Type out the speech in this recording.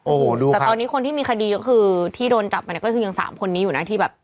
โอ้โหแต่ตอนนี้คนที่มีคดีก็คือที่โดนจับมาเนี่ยก็คือยังสามคนนี้อยู่นะที่แบบ